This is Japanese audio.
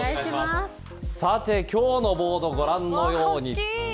さて今日のボードご覧のとおり。